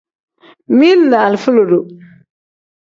Mili ni alifa lodo.